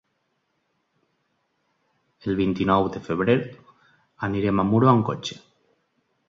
El vint-i-nou de febrer anirem a Muro amb cotxe.